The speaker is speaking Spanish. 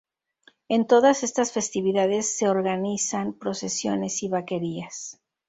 En todas estas festividades se organizan procesiones y vaquerías